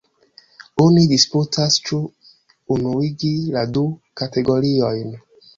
Oni disputas, ĉu unuigi la du kategoriojn.